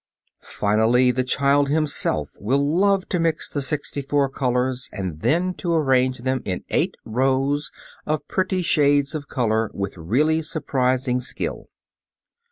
Finally, the child himself will love to mix the sixty four colors and then to arrange them in eight rows of pretty shades of color with really surprising skill.